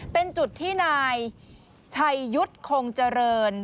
เป็นจุดที่นายชัยยุทธ์คงเจริญ